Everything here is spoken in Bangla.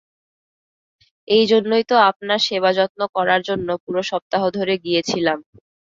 এই জন্যই তো আপনার সেবা যত্ন করার জন্য পুরো সপ্তাহ ধরে গিয়েছিলাম।